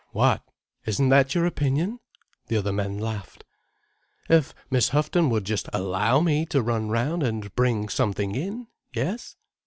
What? Isn't that your opinion?" The other men laughed. "If Miss Houghton would just allow me to run round and bring something in. Yes?